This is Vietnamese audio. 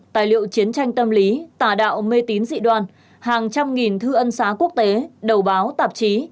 tài liệu chiến tranh tâm lý tà đạo mê tín dị đoan hàng trăm nghìn thư ân xá quốc tế đầu báo tạp chí